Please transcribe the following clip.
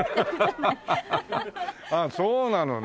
ああそうなのね。